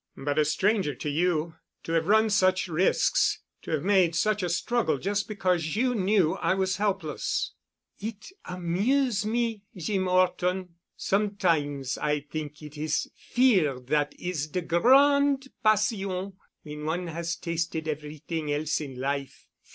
"But a stranger to you. To have run such risks—to have made such a struggle just because you knew I was helpless." "It amuse' me, Jeem 'Orton. Sometimes I t'ink it is fear dat is de grande passion—when one has tasted everyt'ing else in life.